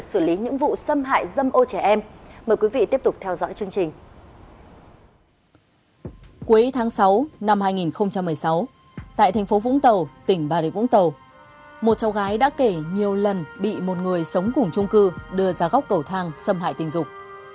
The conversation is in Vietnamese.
cuối tháng sáu năm hai nghìn một mươi sáu tại thành phố vũng tàu tỉnh bà rịa vũng tàu một cháu gái đã kể nhiều lần bị một người sống cùng chung cư đưa ra góc cầu thang xâm hại tình dục